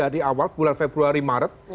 di awal bulan februari maret